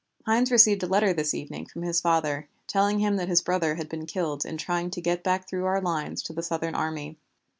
Hynes received a letter this evening from his father telling him that his brother had been killed in trying to get back through our lines to the Southern army.